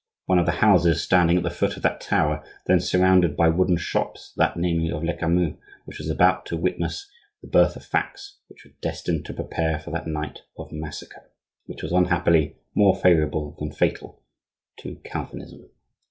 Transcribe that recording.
one of the houses standing at the foot of that tower then surrounded by wooden shops, that, namely, of Lecamus, was about to witness the birth of facts which were destined to prepare for that night of massacre, which was, unhappily, more favorable than fatal to Calvinism.